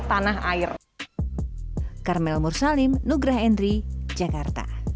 dan ekonomi tanah air